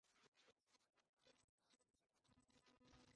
After the battle Chaka annexed the islands of Chios and Samos.